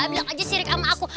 bilang aja sirik sama aku